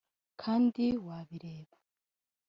kandi wabireba